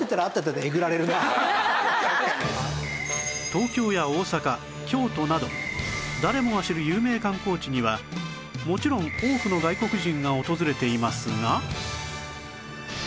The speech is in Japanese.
東京や大阪京都など誰もが知る有名観光地にはもちろん多くの外国人が訪れていますが